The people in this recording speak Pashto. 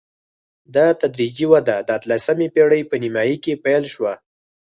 دا تدریجي وده د اتلسمې پېړۍ په نیمايي کې پیل شوه.